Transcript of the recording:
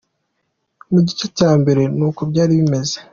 Mu gice cya mbere ni uko byari bimeze.